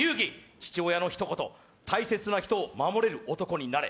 父親のひと言、大切な人を守れる男になれ。